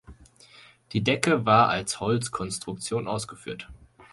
Die Decke war als Holzkonstruktion ausgeführt.